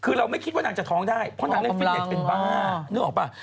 คือเราไม่คิดว่านางจะท้องได้เพราะนางได้ฟิตเน็ตเป็นบ้า